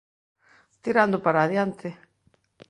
Tirando para adiante.